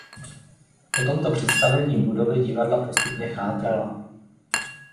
Po tomto představení budovy divadla postupně chátrala.